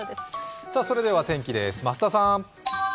それでは天気です、増田さん。